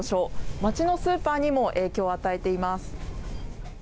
街のスーパーにも影響を与えています。